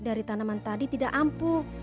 dari tanaman tadi tidak ampuh